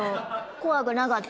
怖くなかった？